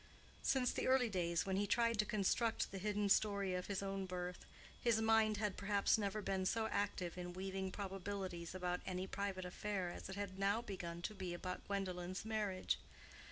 Since the early days when he tried to construct the hidden story of his own birth, his mind had perhaps never been so active in weaving probabilities about any private affair as it had now begun to be about Gwendolen's marriage.